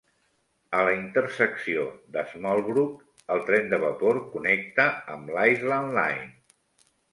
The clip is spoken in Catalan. A la intersecció d'Smallbrook, el tren de vapor connecta amb la Island Line.